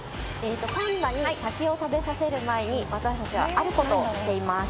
パンダに竹を食べさせる前に私たちはあることをしています。